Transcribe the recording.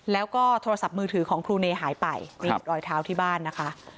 แล้วก็โทรศัพท์มือถือของครูเนหายไปนี่คือรอยเท้าที่บ้านนะคะ